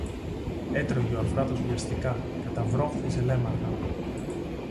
Έτρωγε ο Αφράτος βιαστικά, καταβρόχθιζε λαίμαργα